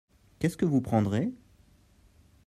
Qu'est-ce que vous prendrez ?